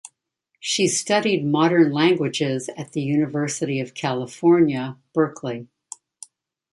She studied modern languages at the University of California, Berkeley.